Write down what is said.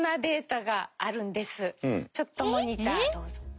ちょっとモニターどうぞ。